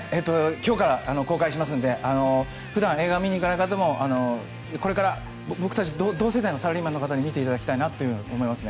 今日から公開しますので普段映画を見に行かない方もこれから僕たち同世代のサラリーマンの方に見ていただきたいなと思いますね。